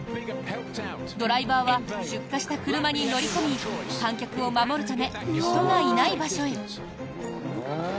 ドライバーは出火した車に乗り込み観客を守るため人がいない場所へ。